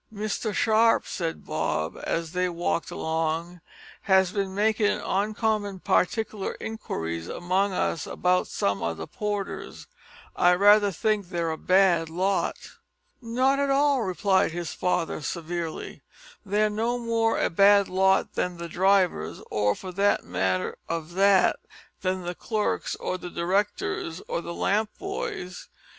"Mr Sharp," said Bob, as they walked along, "has bin makin' oncommon partikler inquiries among us about some o' the porters. I raither think they're a bad lot." "Not at all," replied his father severely. "They're no more a bad lot than the drivers, or, for the matter of that, than the clerks or the directors, or the lamp boys.